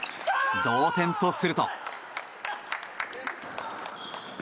同点とすると。